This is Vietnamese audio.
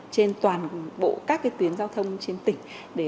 trên toàn bộ các tuyến giao thông trên tỉnh